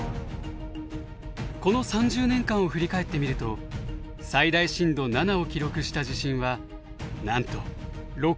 この３０年間を振り返ってみると最大震度７を記録した地震はなんと６回も発生しています。